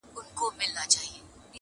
خوند مي پردی دی د غزلونو -